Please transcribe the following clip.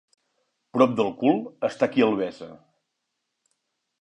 Prop del cul està qui el besa.